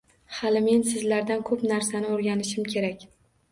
Hali men sizlardan ko‘p narsani o‘rganishim kerak.